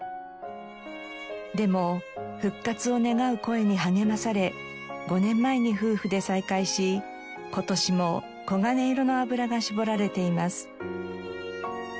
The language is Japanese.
でも復活を願う声に励まされ５年前に夫婦で再開し今年も黄金色の油が搾られています。